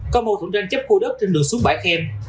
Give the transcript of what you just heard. có mâu thuẫn tranh chấp khu đất trên đường xuống bãi khem